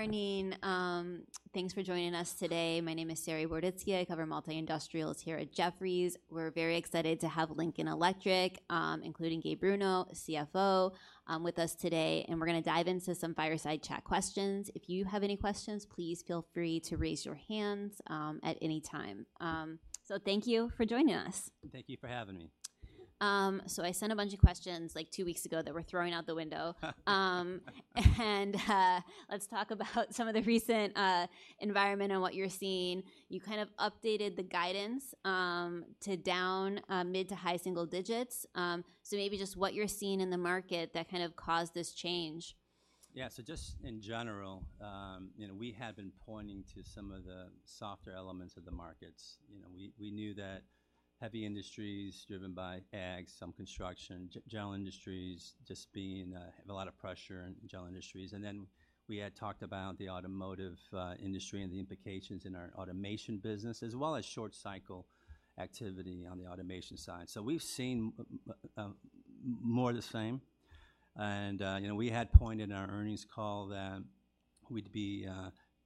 Morning, thanks for joining us today. My name is Saree Boroditsky. I cover multi-industrials here at Jefferies. We're very excited to have Lincoln Electric, including Gabe Bruno, CFO, with us today, and we're gonna dive into some fireside chat questions. If you have any questions, please feel free to raise your hands, at any time. So thank you for joining us. Thank you for having me. So I sent a bunch of questions, like, two weeks ago that we're throwing out the window. Let's talk about some of the recent environment and what you're seeing. You kind of updated the guidance to down mid- to high-single digits. So maybe just what you're seeing in the market that kind of caused this change. Yeah. So just in general, you know, we have been pointing to some of the softer elements of the markets. You know, we knew that heavy industries driven by ag, some construction, general industries, just being have a lot of pressure in general industries. And then we had talked about the automotive industry and the implications in our automation business, as well as short cycle activity on the automation side. So we've seen more of the same. And you know, we had pointed in our earnings call that we'd be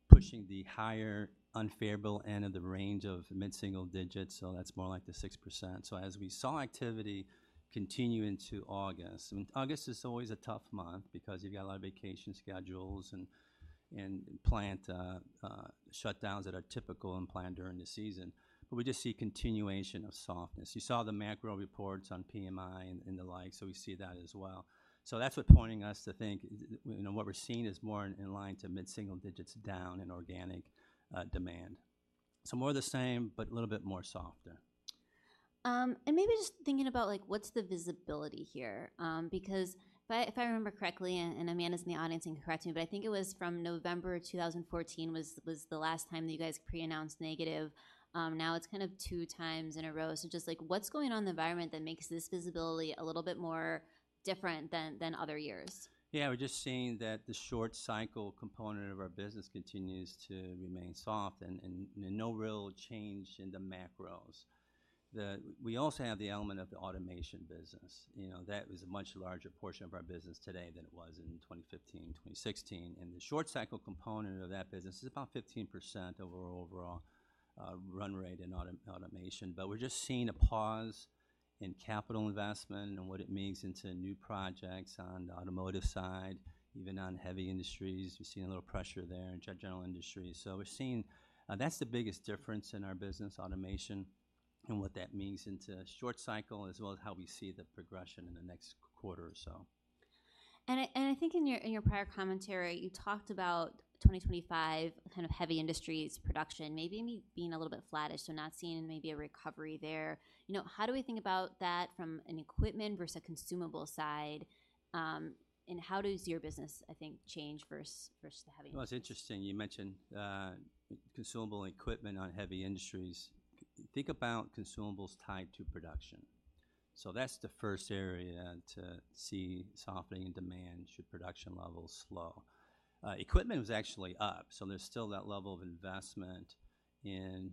pushing the higher unfavorable end of the range of mid-single digits, so that's more like the 6%. So as we saw activity continue into August, and August is always a tough month because you've got a lot of vacation schedules and plant shutdowns that are typical and planned during the season, but we just see continuation of softness. You saw the macro reports on PMI and the like, so we see that as well. So that's what pointing us to think, you know, what we're seeing is more in line to mid-single digits down in organic demand. So more of the same, but a little bit more softer. Maybe just thinking about, like, what's the visibility here? Because if I remember correctly, and Amanda's in the audience can correct me, but I think it was from November two thousand and fourteen was the last time that you guys pre-announced negative. Now it's kind of two times in a row. So just like, what's going on in the environment that makes this visibility a little bit more different than other years? Yeah, we're just seeing that the short cycle component of our business continues to remain soft, and no real change in the macros. We also have the element of the automation business. You know, that is a much larger portion of our business today than it was in 2015, 2016, and the short cycle component of that business is about 15% of our overall run rate in automation. But we're just seeing a pause in capital investment and what it means into new projects on the automotive side, even on heavy industries. We're seeing a little pressure there in general industries. So we're seeing that's the biggest difference in our business, automation, and what that means into short cycle, as well as how we see the progression in the next quarter or so. I think in your prior commentary, you talked about 2025, kind of heavy industries production maybe being a little bit flattish, so not seeing maybe a recovery there. You know, how do we think about that from an equipment versus a consumable side, and how does your business, I think, change versus the heavy? Well, it's interesting you mentioned consumable equipment on heavy industries. Think about consumables tied to production. So that's the first area to see softening in demand, should production levels slow. Equipment was actually up, so there's still that level of investment in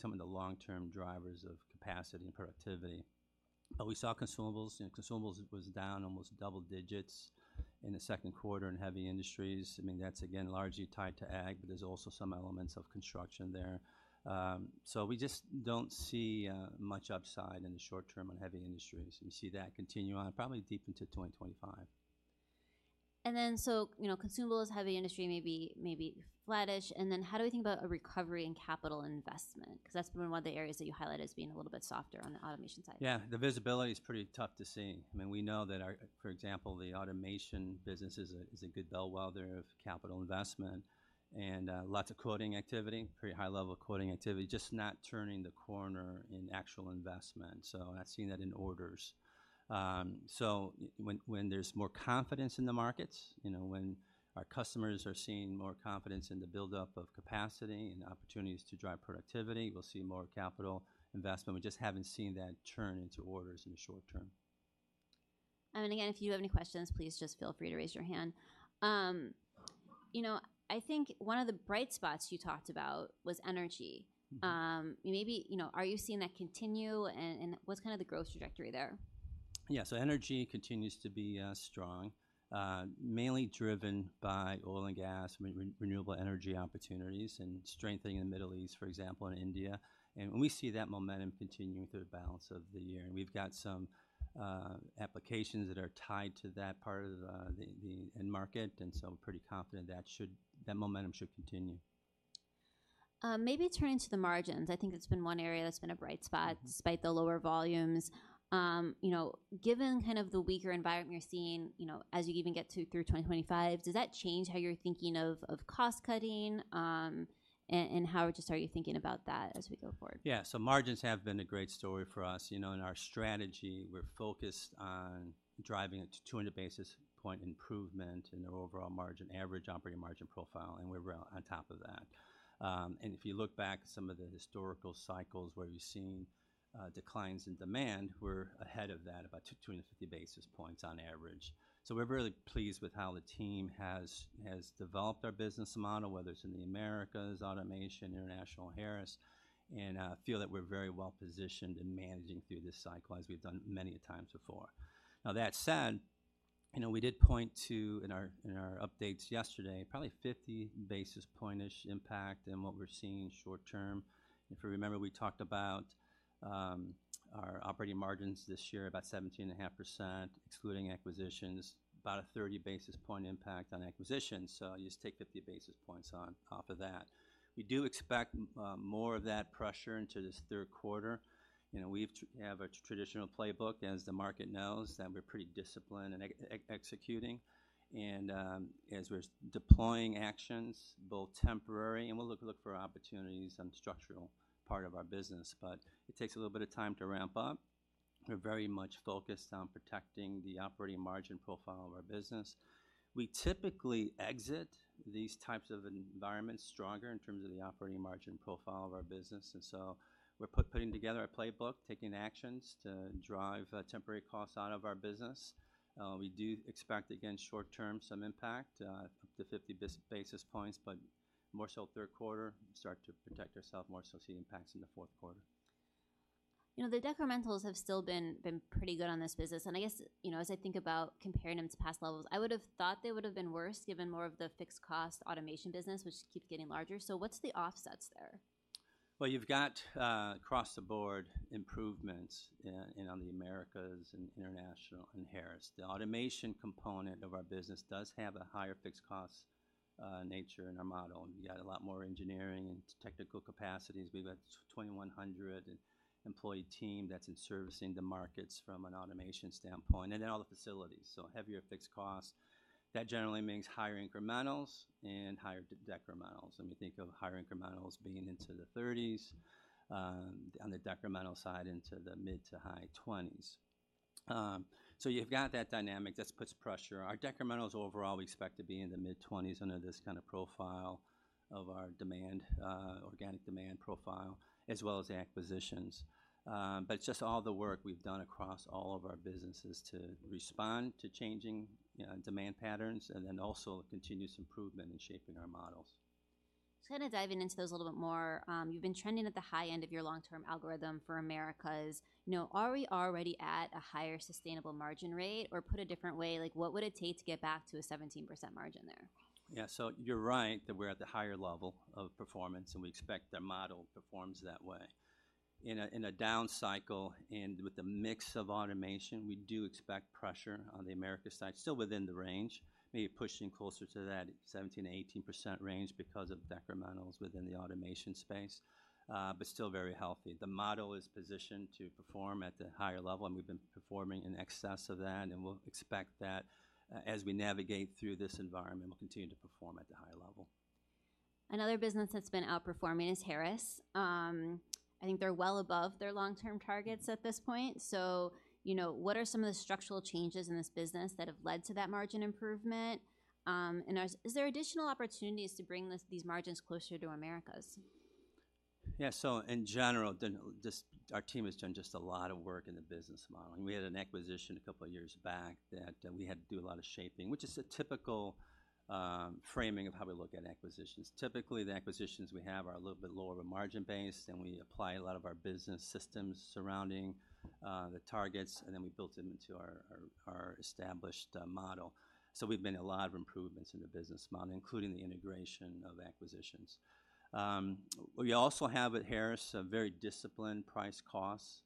some of the long-term drivers of capacity and productivity. But we saw consumables, and consumables was down almost double digits in the second quarter in heavy industries. I mean, that's again largely tied to ag, but there's also some elements of construction there. So we just don't see much upside in the short term on heavy industries. We see that continue on probably deep into twenty twenty-five. And then, so, you know, consumables, heavy industry, maybe, maybe flattish, and then how do we think about a recovery in capital investment? Because that's been one of the areas that you highlight as being a little bit softer on the automation side. Yeah, the visibility is pretty tough to see. I mean, we know that our, for example, the automation business is a good bellwether of capital investment and lots of quoting activity, pretty high level of quoting activity, just not turning the corner in actual investment, so not seeing that in orders, so when there's more confidence in the markets, you know, when our customers are seeing more confidence in the buildup of capacity and opportunities to drive productivity, we'll see more capital investment. We just haven't seen that turn into orders in the short term. Again, if you have any questions, please just feel free to raise your hand. You know, I think one of the bright spots you talked about was energy. Mm-hmm. Maybe, you know, are you seeing that continue, and what's kind of the growth trajectory there? Energy continues to be strong, mainly driven by oil and gas, renewable energy opportunities and strengthening in the Middle East, for example, and India. We see that momentum continuing through the balance of the year, and we've got some applications that are tied to that part of the end market, and so we're pretty confident that momentum should continue. Maybe turning to the margins, I think that's been one area that's been a bright spot- Mm-hmm... despite the lower volumes. You know, given kind of the weaker environment you're seeing, you know, as you even get to through 2025, does that change how you're thinking of cost cutting? And how just are you thinking about that as we go forward? Yeah. So margins have been a great story for us. You know, in our strategy, we're focused on driving it to two hundred basis point improvement in the overall margin average, operating margin profile, and we're well on top of that. And if you look back at some of the historical cycles where you've seen declines in demand, we're ahead of that about two hundred and fifty basis points on average. So we're really pleased with how the team has developed our business model, whether it's in the Americas, automation, international, Harris, and feel that we're very well positioned in managing through this cycle as we've done many a times before. Now, that said. You know, we did point to, in our updates yesterday, probably fifty basis point-ish impact in what we're seeing short term. If you remember, we talked about our operating margins this year, about 17.5%, excluding acquisitions, about a 30 basis points impact on acquisitions. So you just take 50 basis points on top of that. We do expect more of that pressure into this third quarter. You know, we have a traditional playbook, as the market knows, that we're pretty disciplined in executing. And as we're deploying actions, both temporary, and we'll look for opportunities on the structural part of our business, but it takes a little bit of time to ramp up. We're very much focused on protecting the operating margin profile of our business. We typically exit these types of environments stronger in terms of the operating margin profile of our business, and so we're putting together a playbook, taking actions to drive temporary costs out of our business. We do expect, again, short term, some impact up to 50 basis points, but more so third quarter, start to protect ourselves more, so see impacts in the fourth quarter. You know, the decrementals have still been pretty good on this business, and I guess, you know, as I think about comparing them to past levels, I would have thought they would have been worse, given more of the fixed cost automation business, which keeps getting larger. So what's the offsets there? You've got across-the-board improvements in the Americas and International and Harris. The automation component of our business does have a higher fixed cost nature in our model. We added a lot more engineering and technical capacities. We've got a 2,100-employee team that's servicing the markets from an automation standpoint, and then all the facilities, so heavier fixed costs, that generally means higher incrementals and higher decrementals, and we think of higher incrementals being into the 30s on the decremental side, into the mid- to high 20s, so you've got that dynamic. This puts pressure. Our decrementals overall, we expect to be in the mid-20s under this kind of profile of our organic demand, as well as the acquisitions. But it's just all the work we've done across all of our businesses to respond to changing demand patterns and then also continuous improvement in shaping our models. Just kind of diving into those a little bit more. You've been trending at the high end of your long-term algorithm for Americas. You know, are we already at a higher sustainable margin rate, or put a different way, like, what would it take to get back to a 17% margin there? Yeah. So you're right that we're at the higher level of performance, and we expect the model performs that way. In a down cycle and with the mix of automation, we do expect pressure on the Americas side, still within the range, maybe pushing closer to that 17%-18% range because of decrementals within the automation space, but still very healthy. The model is positioned to perform at the higher level, and we've been performing in excess of that, and we'll expect that, as we navigate through this environment, we'll continue to perform at the higher level. Another business that's been outperforming is Harris. I think they're well above their long-term targets at this point. So, you know, what are some of the structural changes in this business that have led to that margin improvement? And is there additional opportunities to bring these margins closer to Americas? Yeah, so in general, then just our team has done just a lot of work in the business model, and we had an acquisition a couple of years back that we had to do a lot of shaping, which is a typical framing of how we look at acquisitions. Typically, the acquisitions we have are a little bit lower of a margin base, and we apply a lot of our business systems surrounding the targets, and then we built them into our established model. So we've made a lot of improvements in the business model, including the integration of acquisitions. We also have at Harris a very disciplined price cost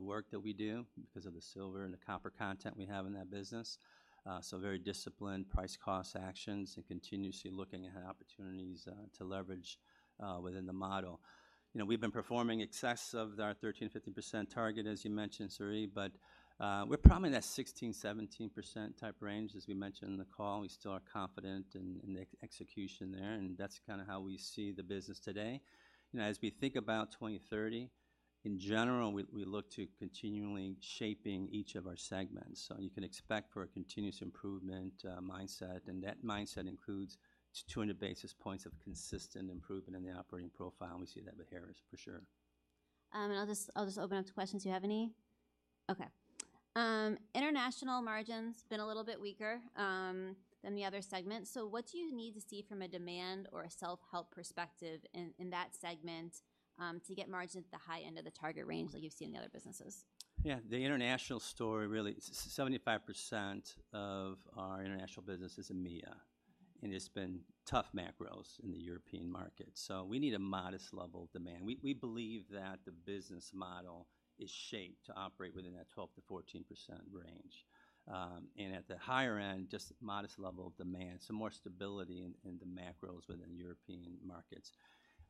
work that we do because of the silver and the copper content we have in that business. So very disciplined price cost actions and continuously looking at opportunities to leverage within the model. You know, we've been performing excess of our 13%-15% target, as you mentioned, Sari, but we're probably in that 16%-17% type range, as we mentioned in the call. We still are confident in the execution there, and that's kind of how we see the business today. You know, as we think about 2030, in general, we look to continually shaping each of our segments. So you can expect for a continuous improvement mindset, and that mindset includes 200 basis points of consistent improvement in the operating profile. We see that with Harris for sure. I'll just open up to questions. Do you have any? Okay. International margins been a little bit weaker than the other segments. So what do you need to see from a demand or a self-help perspective in that segment to get margins at the high end of the target range like you've seen in the other businesses? Yeah, the international story, really, 75% of our international business is EMEA, and it's been tough macros in the European market. So we need a modest level of demand. We believe that the business model is shaped to operate within that 12%-14% range, and at the higher end, just modest level of demand, some more stability in the macros within European markets.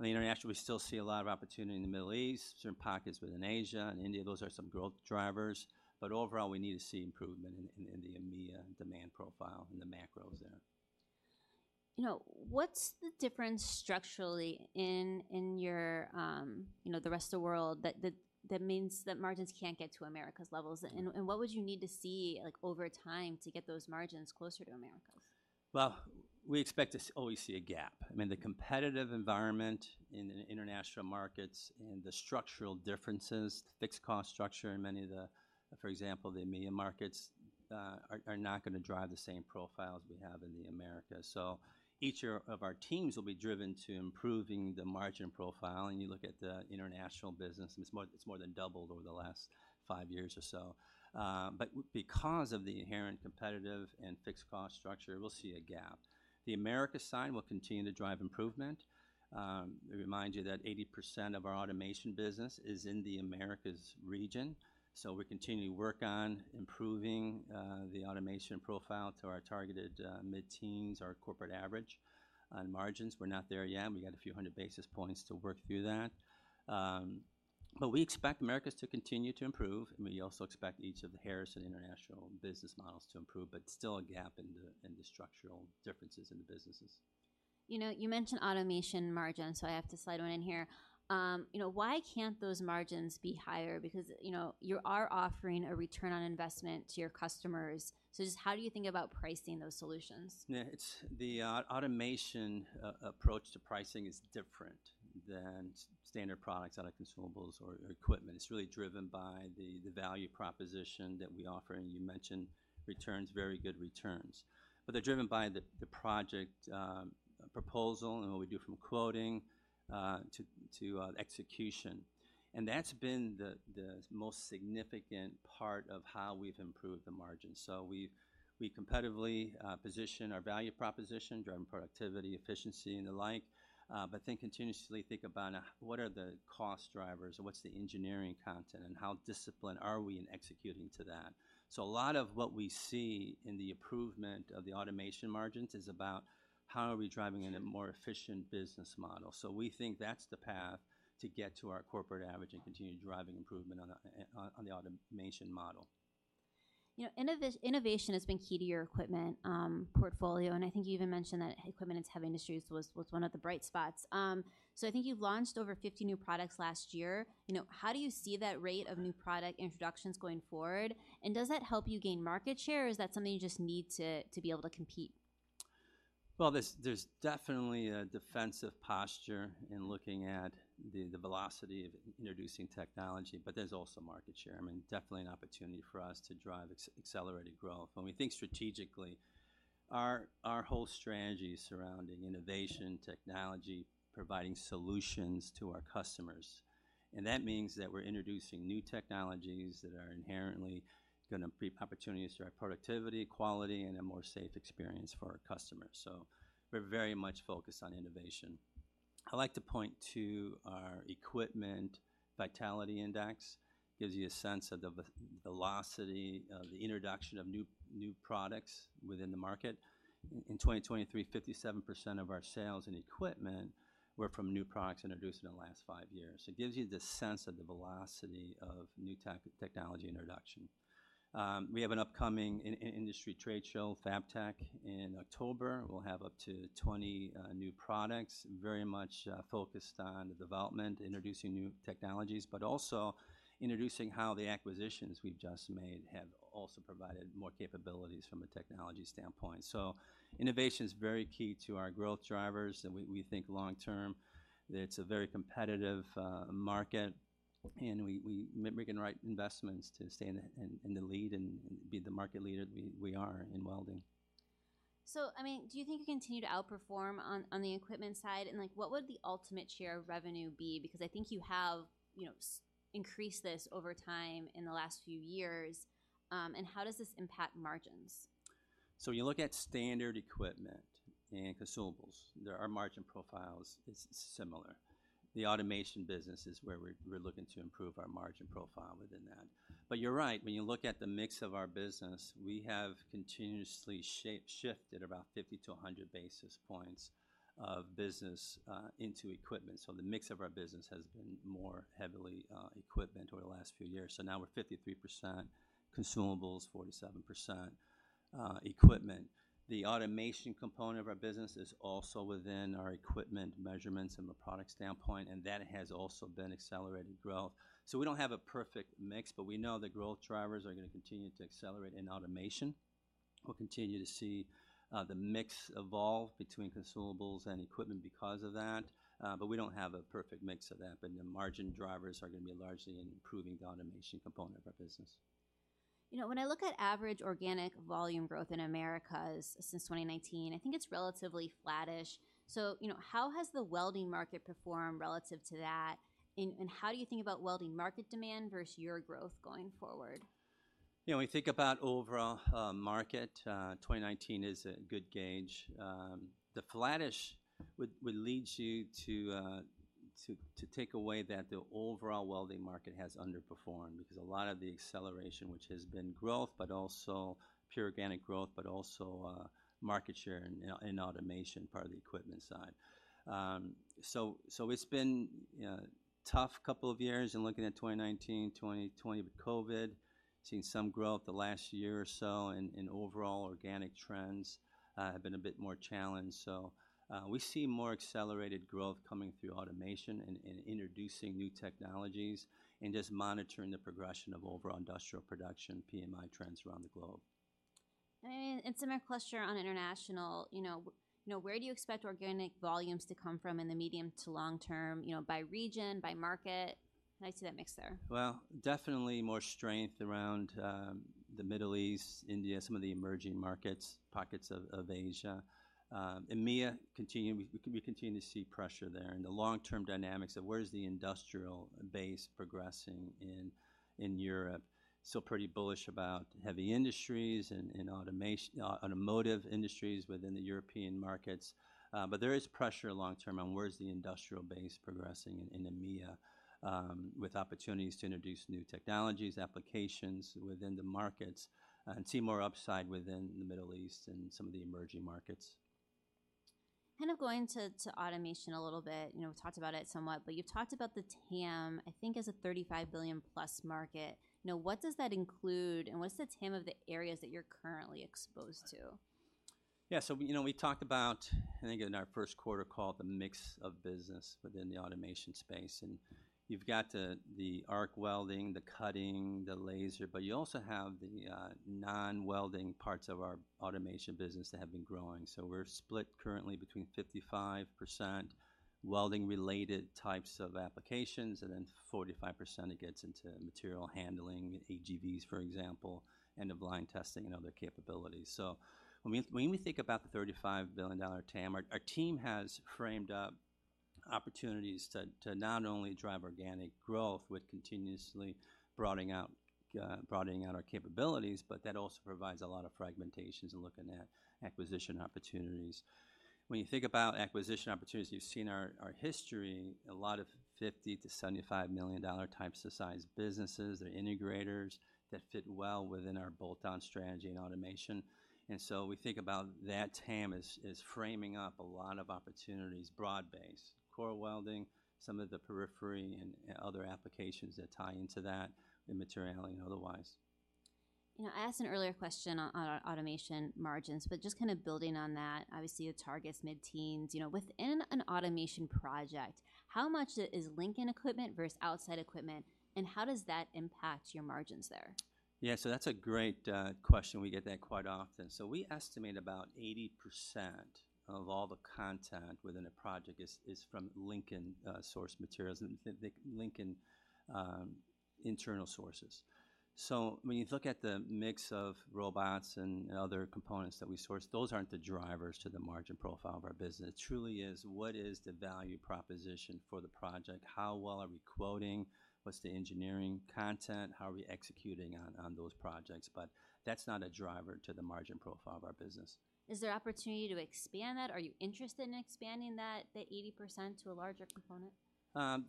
In the international, we still see a lot of opportunity in the Middle East, certain pockets within Asia and India. Those are some growth drivers, but overall, we need to see improvement in the EMEA demand profile and the macros there. You know, what's the difference structurally in your, you know, the rest of the world, that means that margins can't get to Americas' levels? And what would you need to see, like, over time to get those margins closer to Americas? We expect to always see a gap. I mean, the competitive environment in the international markets and the structural differences, fixed cost structure in many of the, for example, the EMEA markets, are not going to drive the same profile as we have in the Americas. So each of our teams will be driven to improving the margin profile, and you look at the international business, and it's more than doubled last five years or so. But because of the inherent competitive and fixed cost structure, we'll see a gap. The Americas side will continue to drive improvement. Let me remind you that 80% of our automation business is in the Americas region, so we're continuing to work on improving the automation profile to our targeted mid-teens, our corporate average on margins. We're not there yet, and we got a few hundred basis points to work through that, but we expect Americas to continue to improve, and we also expect each of the Harris and International business models to improve, but still a gap in the structural differences in the businesses. You know, you mentioned automation margins, so I have to slide one in here. You know, why can't those margins be higher? Because, you know, you are offering a return on investment to your customers. So just how do you think about pricing those solutions? Yeah, it's the automation approach to pricing is different than standard products out of consumables or equipment. It's really driven by the value proposition that we offer, and you mentioned returns, very good returns. But they're driven by the project proposal and what we do from quoting to execution. And that's been the most significant part of how we've improved the margins. So we competitively position our value proposition, driven productivity, efficiency, and the like, but then continuously think about what are the cost drivers, or what's the engineering content, and how disciplined are we in executing to that? So a lot of what we see in the improvement of the automation margins is about how are we driving in a more efficient business model. So we think that's the path to get to our corporate average and continue driving improvement on the automation model. You know, innovation has been key to your equipment portfolio, and I think you even mentioned that equipment in heavy industries was one of the bright spots. So I think you've launched over 50 new products last year. You know, how do you see that rate of new product introductions going forward, and does that help you gain market share, or is that something you just need to be able to compete? There's definitely a defensive posture in looking at the velocity of introducing technology, but there's also market share. I mean, definitely an opportunity for us to drive accelerated growth. When we think strategically, our whole strategy surrounding innovation, technology, providing solutions to our customers, and that means that we're introducing new technologies that are inherently gonna be opportunities to our productivity, quality, and a more safe experience for our customers. So we're very much focused on innovation. I like to point to our equipment Vitality Index. It gives you a sense of the velocity of the introduction of new products within the market. In 2023, 57% of our sales and equipment were from new products introduced in the last five years. It gives you the sense of the velocity of new technology introduction. We have an upcoming industry trade show, FABTECH, in October. We'll have up to 20 new products, very much focused on the development, introducing new technologies, but also introducing how the acquisitions we've just made have also provided more capabilities from a technology standpoint, so innovation is very key to our growth drivers, and we think long term that it's a very competitive market, and we making the right investments to stay in the lead and be the market leader we are in welding. So, I mean, do you think you continue to outperform on the equipment side, and like, what would the ultimate share of revenue be? Because I think you have, you know, increased this over time in the last few years, and how does this impact margins? So when you look at standard equipment and consumables, there, our margin profiles are similar. The automation business is where we're looking to improve our margin profile within that. But you're right, when you look at the mix of our business, we have continuously shape-shifted about 50 to 100 basis points of business into equipment. So the mix of our business has been more heavily equipment over the last few years. So now we're 53% consumables, 47% equipment. The automation component of our business is also within our equipment measurements from a product standpoint, and that has also been accelerated growth. So we don't have a perfect mix, but we know the growth drivers are gonna continue to accelerate in automation. We'll continue to see the mix evolve between consumables and equipment because of that, but we don't have a perfect mix of that. But the margin drivers are gonna be largely in improving the automation component of our business. You know, when I look at average organic volume growth in Americas since 2019, I think it's relatively flattish. So, you know, how has the welding market performed relative to that, and how do you think about welding market demand versus your growth going forward? You know, when we think about overall market, 2019 is a good gauge. The flattish would lead you to take away that the overall welding market has underperformed because a lot of the acceleration, which has been growth, but also pure organic growth, but also market share in automation, part of the equipment side. So it's been tough couple of years in looking at 2019, 2020 with COVID. Seen some growth the last year or so and overall organic trends have been a bit more challenged. So we see more accelerated growth coming through automation and introducing new technologies and just monitoring the progression of overall industrial production, PMI trends around the globe. It's a mere question on international. You know, you know, where do you expect organic volumes to come from in the medium to long term, you know, by region, by market?... and I see that mix there. Definitely more strength around the Middle East, India, some of the emerging markets, pockets of Asia. EMEA, we continue to see pressure there, and the long-term dynamics of where is the industrial base progressing in Europe. Still pretty bullish about heavy industries and automotive industries within the European markets. But there is pressure long term on where is the industrial base progressing in EMEA, with opportunities to introduce new technologies, applications within the markets, and see more upside within the Middle East and some of the emerging markets. Kind of going to automation a little bit, you know, we've talked about it somewhat, but you've talked about the TAM, I think, as a $35 billion-plus market. Now, what does that include, and what's the TAM of the areas that you're currently exposed to? Yeah so, you know, we talked about, I think in our first quarter call, the mix of business within the automation space, and you've got the, the arc welding, the cutting, the laser, but you also have the, non-welding parts of our automation business that have been growing. So we're split currently between 55% welding-related types of applications, and then 45% it gets into material handling, AGVs, for example, end-of-line testing and other capabilities. So when we think about the $35 billion TAM, our team has framed up opportunities to not only drive organic growth with continuously broadening out, broadening out our capabilities, but that also provides a lot of fragmentations in looking at acquisition opportunities. When you think about acquisition opportunities, you've seen our history, a lot of $50 to 75 million types of size businesses or integrators that fit well within our bolt-on strategy and automation. And so we think about that TAM as framing up a lot of opportunities, broad-based, core welding, some of the periphery and other applications that tie into that, and material handling otherwise. You know, I asked an earlier question on, on our automation margins, but just kind of building on that, obviously, your target's mid-teens. You know, within an automation project, how much is Lincoln equipment versus outside equipment, and how does that impact your margins there? Yeah, so that's a great question. We get that quite often. So we estimate about 80% of all the content within a project is from Lincoln source materials and the Lincoln internal sources. So when you look at the mix of robots and other components that we source, those aren't the drivers to the margin profile of our business. It truly is, what is the value proposition for the project? How well are we quoting? What's the engineering content? How are we executing on those projects? But that's not a driver to the margin profile of our business. Is there opportunity to expand that? Are you interested in expanding that, that 80% to a larger component?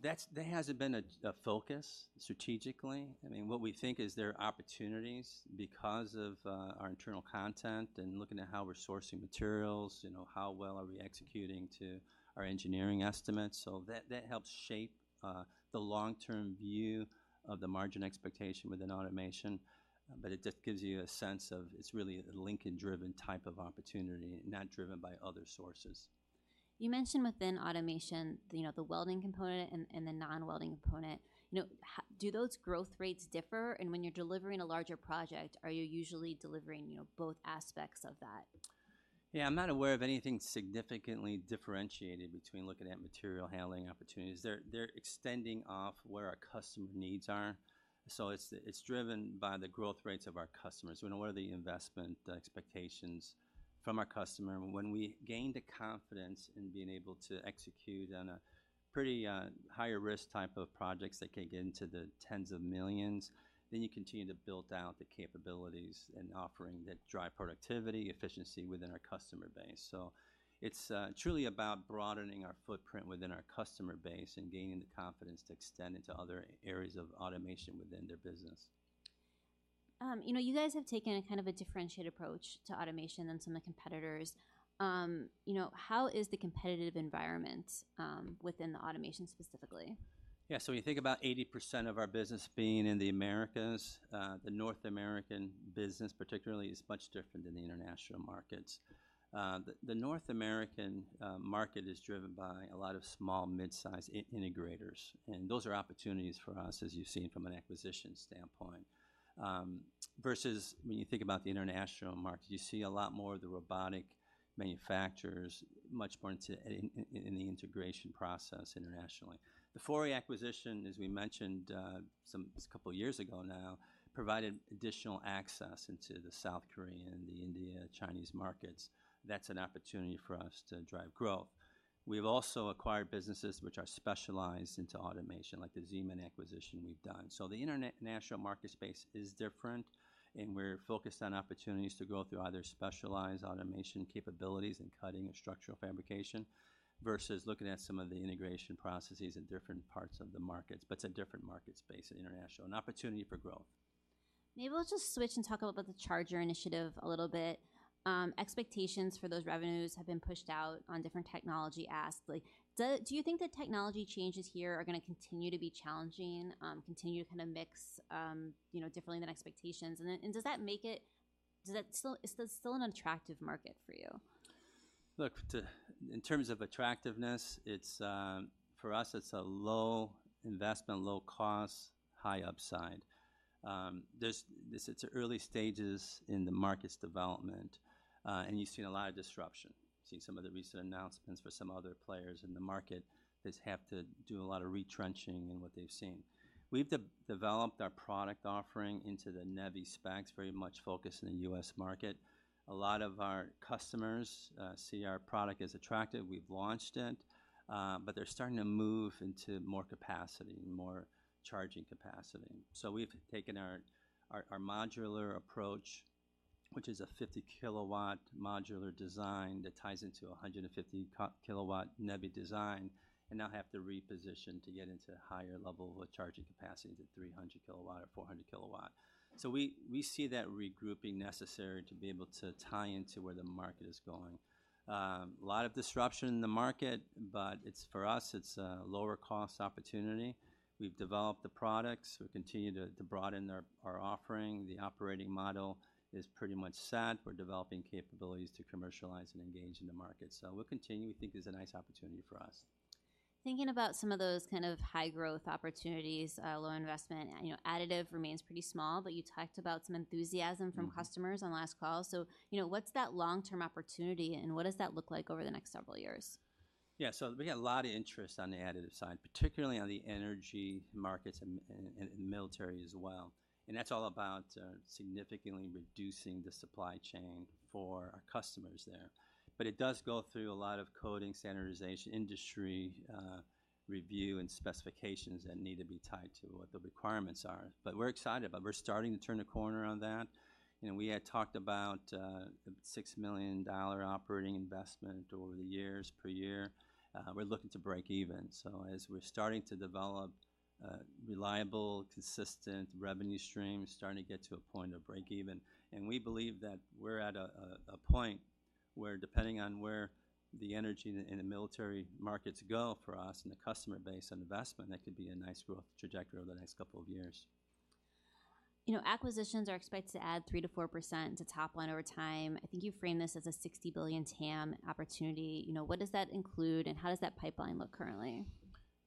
That hasn't been a focus strategically. I mean, what we think is there are opportunities because of our internal content and looking at how we're sourcing materials, you know, how well are we executing to our engineering estimates. So that helps shape the long-term view of the margin expectation within automation, but it just gives you a sense of it's really a Lincoln-driven type of opportunity, not driven by other sources. You mentioned within automation, you know, the welding component and, and the non-welding component. You know, do those growth rates differ? And when you're delivering a larger project, are you usually delivering, you know, both aspects of that? Yeah, I'm not aware of anything significantly differentiated between looking at material handling opportunities. They're extending off where our customer needs are. So it's driven by the growth rates of our customers. We know what are the investment expectations from our customer, and when we gain the confidence in being able to execute on a pretty higher risk type of projects that can get into the tens of millions, then you continue to build out the capabilities and offering that drive productivity, efficiency within our customer base. So it's truly about broadening our footprint within our customer base and gaining the confidence to extend into other areas of automation within their business. You know, you guys have taken a kind of a differentiated approach to automation than some of the competitors. You know, how is the competitive environment within the automation specifically? Yeah, so when you think about 80% of our business being in the Americas, the North American business particularly is much different than the international markets. The North American market is driven by a lot of small, mid-sized in-integrators, and those are opportunities for us, as you've seen from an acquisition standpoint. Versus when you think about the international market, you see a lot more of the robotic manufacturers, much more into in the integration process internationally. The Fori acquisition, as we mentioned, couple years ago now, provided additional access into the South Korean, the Indian, Chinese markets. That's an opportunity for us to drive growth. We've also acquired businesses which are specialized into automation, like the Zeman acquisition we've done. So the international market space is different, and we're focused on opportunities to grow through either specialized automation capabilities in cutting and structural fabrication, versus looking at some of the integration processes in different parts of the markets, but it's a different market space in international, an opportunity for growth. Maybe let's just switch and talk about the charger initiative a little bit. Expectations for those revenues have been pushed out on different technology asks. Like, do you think the technology changes here are going to continue to be challenging, continue to kind of mix, you know, differently than expectations? And then, does that make it... is this still an attractive market for you? Look, in terms of attractiveness, it's for us, it's a low investment, low cost, high upside. It's early stages in the market's development, and you've seen a lot of disruption. Seen some of the recent announcements for some other players in the market, just have to do a lot of retrenching in what they've seen. We've developed our product offering into the NEVI specs, very much focused in the U.S. market. A lot of our customers see our product as attractive. We've launched it, but they're starting to move into more capacity, more charging capacity. So we've taken our modular approach, which is a fifty-kilowatt modular design that ties into a hundred and fifty kilowatt NEVI design, and now have to reposition to get into a higher level of charging capacity to three hundred kilowatt or four hundred kilowatt. We see that regrouping necessary to be able to tie into where the market is going. A lot of disruption in the market, but it's, for us, it's a lower cost opportunity. We've developed the products. We continue to broaden our offering. The operating model is pretty much set. We're developing capabilities to commercialize and engage in the market. We'll continue. We think there's a nice opportunity for us. Thinking about some of those kind of high-growth opportunities, low investment, you know, additive remains pretty small, but you talked about some enthusiasm- Mm-hmm. From customers on the last call, so you know, what's that long-term opportunity, and what does that look like over the next several years? Yeah, so we got a lot of interest on the additive side, particularly on the energy markets and military as well, and that's all about significantly reducing the supply chain for our customers there. But it does go through a lot of coding, standardization, industry review, and specifications that need to be tied to what the requirements are. But we're excited about it. We're starting to turn the corner on that, and we had talked about the $6 million operating investment over the years per year. We're looking to break even. So as we're starting to develop reliable, consistent revenue streams, starting to get to a point of break even, and we believe that we're at a point where depending on where the energy and the military markets go for us and the customer base and investment, that could be a nice growth trajectory over the next couple of years. You know, acquisitions are expected to add 3%-4% to top line over time. I think you framed this as a $60 billion TAM opportunity. You know, what does that include, and how does that pipeline look currently?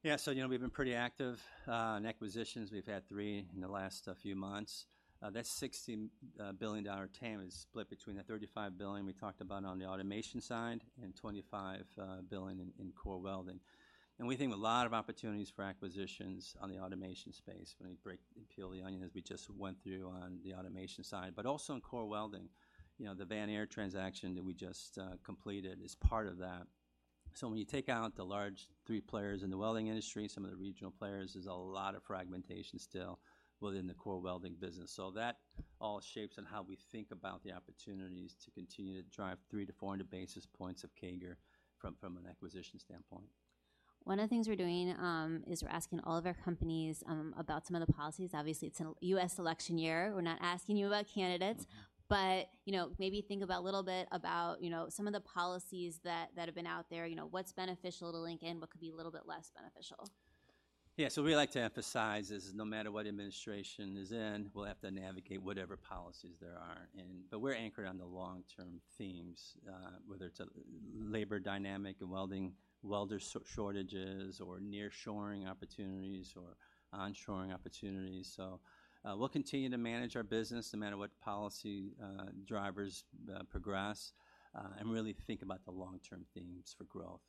Yeah, so, you know, we've been pretty active in acquisitions. We've had three in the last few months. That $60 billion TAM is split between the $35 billion we talked about on the automation side and $25 billion in core welding. And we think a lot of opportunities for acquisitions on the automation space when you break, peel the onion, as we just went through on the automation side, but also in core welding. You know, the Vanair transaction that we just completed is part of that. So when you take out the large three players in the welding industry, some of the regional players, there's a lot of fragmentation still within the core welding business. That all shapes on how we think about the opportunities to continue to drive 300-400 basis points of CAGR from an acquisition standpoint. One of the things we're doing is we're asking all of our companies about some of the policies. Obviously, it's a U.S. election year. We're not asking you about candidates- Mm-hmm. But, you know, maybe think about a little bit, you know, some of the policies that have been out there. You know, what's beneficial to Lincoln? What could be a little bit less beneficial? Yeah, so we like to emphasize is no matter what administration is in, we'll have to navigate whatever policies there are, and but we're anchored on the long-term themes, whether it's a labor dynamic and welding, welder shortages or nearshoring opportunities or onshoring opportunities. So, we'll continue to manage our business no matter what policy drivers progress and really think about the long-term themes for growth.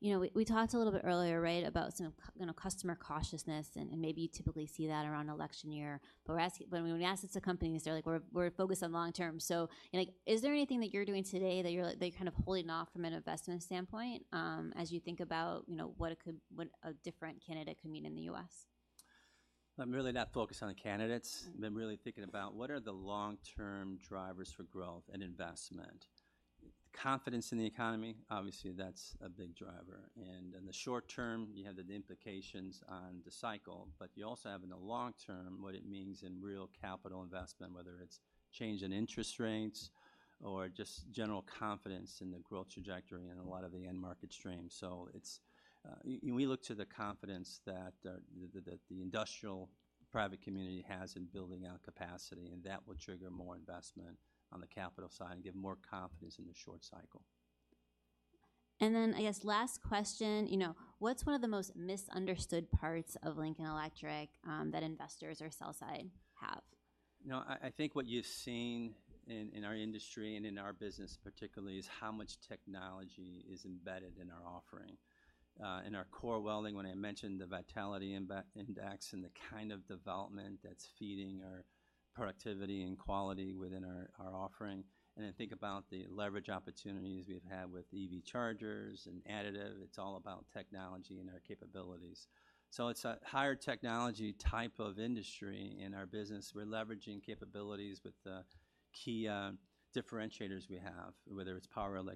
You know, we talked a little bit earlier, right, about some you know, customer cautiousness and maybe you typically see that around election year. But we're asking when we ask this to companies, they're like, "We're focused on long term." So, and like, is there anything that you're doing today that you're kind of holding off from an investment standpoint, as you think about, you know, what a different candidate could mean in the US? I'm really not focused on the candidates. Mm. been really thinking about what are the long-term drivers for growth and investment. Confidence in the economy, obviously, that's a big driver, and in the short term, you have the implications on the cycle, but you also have in the long term, what it means in real capital investment, whether it's change in interest rates or just general confidence in the growth trajectory in a lot of the end market streams. So it's, we look to the confidence that the industrial private community has in building out capacity, and that will trigger more investment on the capital side and give more confidence in the short cycle. And then, I guess, last question, you know, what's one of the most misunderstood parts of Lincoln Electric, that investors or sell-side have? You know, I think what you've seen in our industry and in our business particularly, is how much technology is embedded in our offering. In our core welding, when I mentioned the Vitality Index and the kind of development that's feeding our productivity and quality within our offering, and then think about the leverage opportunities we've had with EV chargers and additive. It's all about technology and our capabilities. So it's a higher technology type of industry in our business. We're leveraging capabilities with the key differentiators we have, whether it's power electronic-